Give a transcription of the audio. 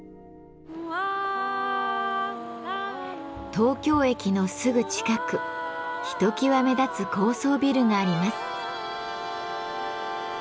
東京駅のすぐ近くひときわ目立つ高層ビルがあります。